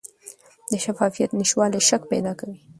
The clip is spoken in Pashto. د شفافیت نشتوالی شک پیدا کوي